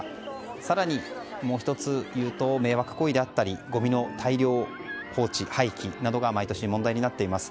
更に、もう１つ言うと迷惑行為であったりごみの大量放置・廃棄などが毎年問題になっています。